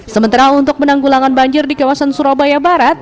sementara untuk penanggulangan banjir di kawasan surabaya barat